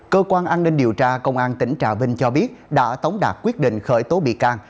cơ quan an ninh điều tra công an tỉnh trà vinh cho biết đã tống đạt quyết định khởi tố bị can